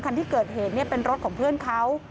คันที่เกิดเหตุเป็นรถของเพื่อนเขา